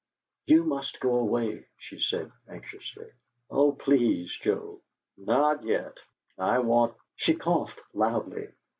"You must go away," she said, anxiously. "Oh, please, Joe!" "Not yet; I want " She coughed loudly.